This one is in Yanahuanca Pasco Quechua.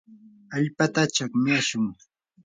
allpata chakmyashun.